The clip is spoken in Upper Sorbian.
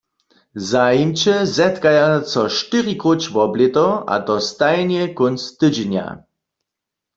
Zajimče zetkaja so štyri króć wob lěto, a to stajnje kónc tydźenja.